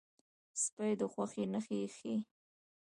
سپي د خوښۍ نښې ښيي.